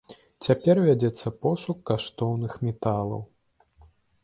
Цяпер вядзецца пошук каштоўных металаў.